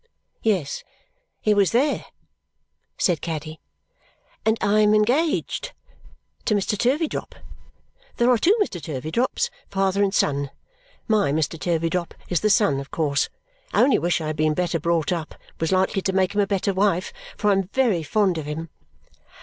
"Yes, it was there," said Caddy, "and I am engaged to Mr. Turveydrop. There are two Mr. Turveydrops, father and son. My Mr. Turveydrop is the son, of course. I only wish I had been better brought up and was likely to make him a better wife, for I am very fond of him."